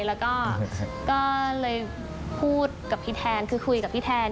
แล้วก็ก็เลยพูดกับพี่แทนคือคุยกับพี่แทน